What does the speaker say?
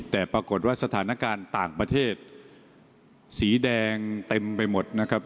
แต่ปรากฏว่าสถานการณ์ต่างประเทศสีแดงเต็มไปหมดนะครับ